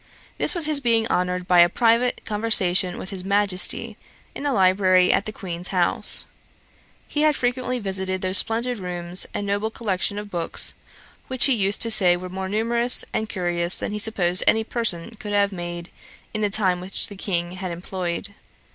This was his being honoured by a private conversation with his Majesty, in the library at the Queen's house. He had frequently visited those splendid rooms and noble collection of books, which he used to say was more numerous and curious than he supposed any person could have made in the time which the King had employed.